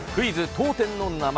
当店の名前！